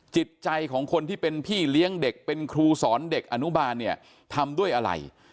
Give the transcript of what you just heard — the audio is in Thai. จิตใจของคนที่เป็นพี่เลี้ยงเด็กเป็นครูสอนเด็กอนุบาลเนี่ยทำด้วยอะไร